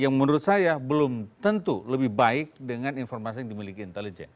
yang menurut saya belum tentu lebih baik dengan informasi yang dimiliki intelijen